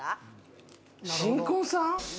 新婚さん？